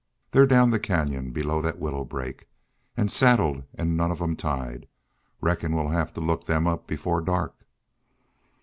"They're down the canyon, below thet willow brake. An' saddled an' none of them tied. Reckon we'll have to look them up before dark."